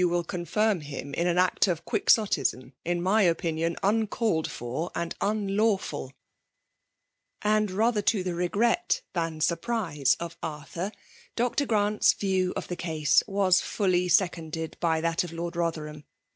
will confirm him in an act of Quixotism^ in mj opinion uncalled for and unlawfuL" And^ rather to the reg^t than snorprise of Arthur^ Dr. Grant^s view of the ease was folly seconded by that of Lord Bothefham.